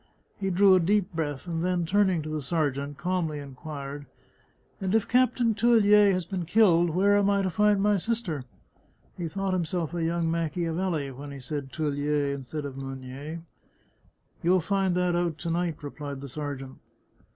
He drew a deep breath, and then, turning to the sergeant, calmly inquired :" And if Captain Teulier has been killed, where am I to find my sister? " He thought himself a young Macchiavelli when he said Teulier instead of Meunier. " You'll find that out to night," replied the sergeant.